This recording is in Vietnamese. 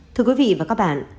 thưa quý vị và các bạn